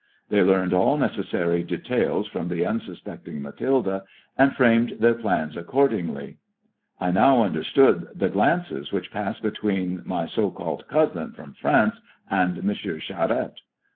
They learned all neceBsary details from the unsuspecting ]Ub.thilde, and framed their plans accordingly. I now under stood the glances which passed between my so called cousin from France and M. Charette.